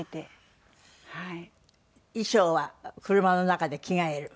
衣装は車の中で着替える。